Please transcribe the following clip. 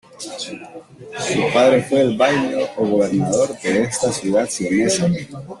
Su padre fue el bailío o gobernador de esta ciudad sienesa.